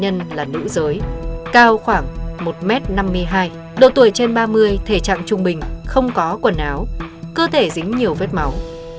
nạn nhân là nữ giới cao khoảng một m năm mươi hai độ tuổi trên ba mươi thể trạng trung bình không có quần áo cơ thể dính nhiều vết máu